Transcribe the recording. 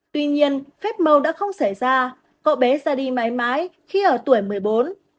tuy nhiên phép màu đã không xảy ra cậu bé ra đi mãi mãi khi ở tuổi một mươi bốn